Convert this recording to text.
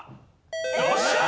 よっしゃあ！